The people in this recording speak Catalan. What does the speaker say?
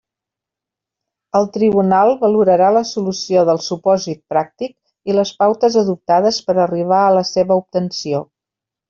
El tribunal valorarà la solució del supòsit pràctic i les pautes adoptades per a arribar a la seua obtenció.